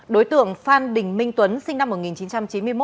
đối tượng phan đình minh tuấn sinh năm một nghìn chín trăm chín mươi một